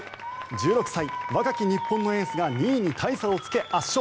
１６歳、若き日本のエースが２位に大差をつけ圧勝。